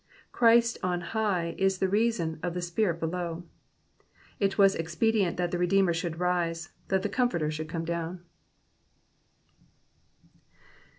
Christ on high is the reason of the Spirit below. It was expedient that the Redeemer should rise, that the Comforter should come down.